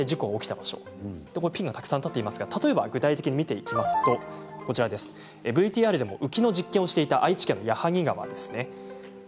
ピンがたくさん立っていますが例えば具体的に見ていきますとＶＴＲでもうきの実験をしていた愛知県の矢作川です。